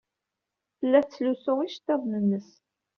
Tella tettlusu iceḍḍiḍen-nnes.